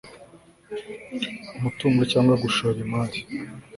umutungo cyangwa gushora imari